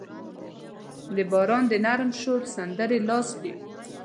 د باران د نرم شور سندرې لاس کې